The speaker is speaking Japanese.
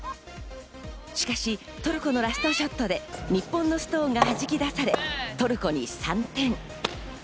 しかし、トルコのラストショットで日本のストーンがはじき出され、トルコに３点。